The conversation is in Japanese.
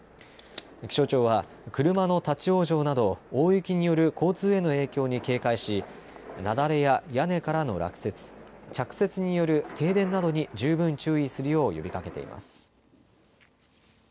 気象庁は車の立往生など大雪による交通への影響に警戒し雪崩や屋根からの落雪、着雪による停電などに十分注意するよう呼びかけています。